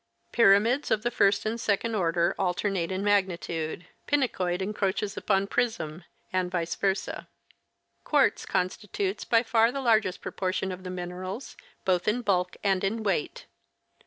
Pyramids of the first and second order alternate in magnitude ; pinacoid encroaches upon prism, and vice versa. Quartz constitutes by far the largest proportion of th© minerals, both in bulk and in weight.